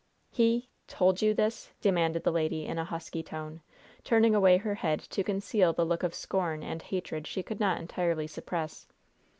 "He told you this?" demanded the lady, in a husky tone, turning away her head to conceal the look of scorn and hatred she could not entirely suppress.